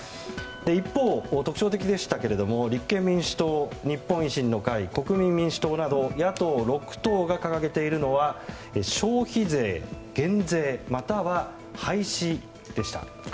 一方、特徴的でしたけれども立憲民主党、日本維新の会国民民主党など野党６党が掲げているのは消費税減税または廃止でした。